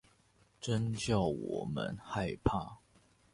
真叫我們害怕